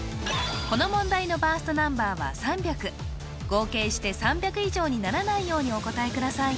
この問題のバーストナンバーは３００合計して３００以上にならないようにお答えください